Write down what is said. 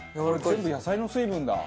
全部野菜の水分だ。